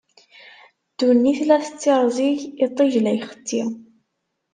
Ddunit la tettirẓig, iṭij la ixeṣṣi.